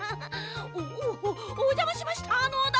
おおおじゃましましたのだ！